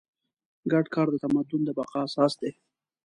ګډ کار د تمدن د بقا اساس دی.